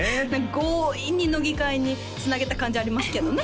強引に乃木回につなげた感じありますけどね